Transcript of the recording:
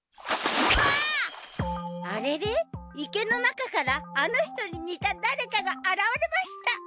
あれれ池の中からあの人ににただれかがあらわれました